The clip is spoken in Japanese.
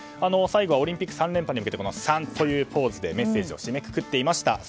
最後はオリンピック３連覇に向けて３というポーズでメッセージを締めくくっていました。